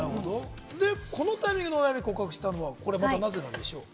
このタイミングでお悩み告白したのはなぜなんでしょうか？